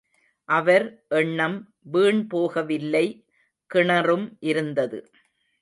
அவர் எண்ணம் வீண்போகவில்லை கிணறும் இருந்தது.